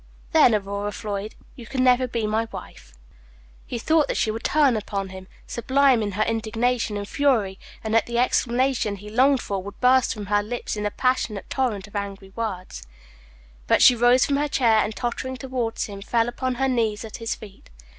"Then, Aurora Floyd, you can never be my wife." He thought that she would turn upon him, sublime in her indignation and fury, and that the explanation he longed for would burst from her lips in a passionate torrent of angry words; but she rose from her chair, and, tottering toward him, fell upon her knees at his feet.